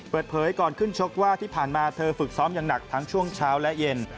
เปิดเผยก่อนขึ้นชกว่าที่ผ่านมาเธอฝึกซ้อมอย่างหนักทั้งช่วงเช้าและเย็น